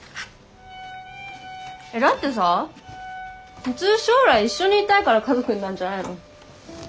えっだってさ普通将来一緒にいたいから家族になるんじゃないの？